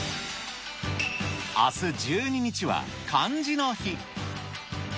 あす１２日は、漢字の日。